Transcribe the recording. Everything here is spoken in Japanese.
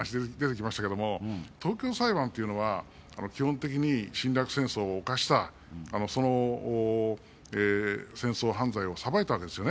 東京裁判というのは基本的に侵略戦争を犯した、その戦争犯罪を裁いたわけですよね。